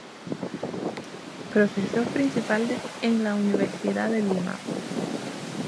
Profesor principal en la Universidad de Lima.